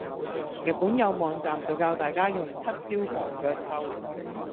日本有網站就教大家用七招防腳臭